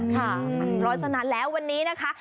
ค่ะแล้วฉะนั้นแล้ววันนี้นะคะ